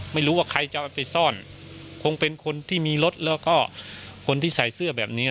ไม่รู้ว่าใครจะเอาไปซ่อนคงเป็นคนที่มีรถแล้วก็คนที่ใส่เสื้อแบบนี้